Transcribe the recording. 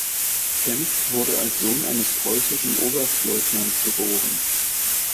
Kempf wurde als Sohn eines preußischen Oberstleutnants geboren.